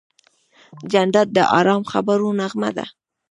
جانداد د ارام خبرو نغمه ده.